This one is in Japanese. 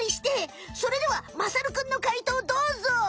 それではまさるくんの解答どうぞ！